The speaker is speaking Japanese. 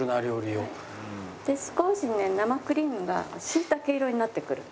で少しね生クリームが椎茸色になってくる。